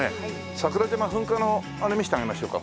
桜島噴火のあれ見せてあげましょうか？